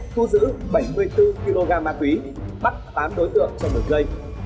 thu giữ bảy mươi bốn kg ma túy bắt tám đối tượng trong đường dây